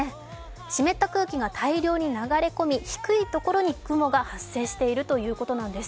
湿った空気が大量に流れ込み、低いところに雲が発生しているということなんです。